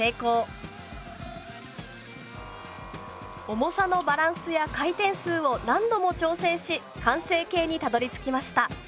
重さのバランスや回転数を何度も調整し完成形にたどりつきました。